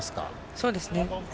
そうですね。